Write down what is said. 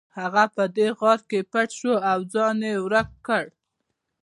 هغه په دې غار کې پټ شو او ځان یې ورک کړ